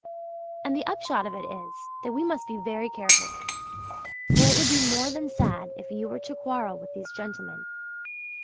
And the upshot of it is, that we must be very careful; for it would be more than sad if you were to quarrel with these gentlemen.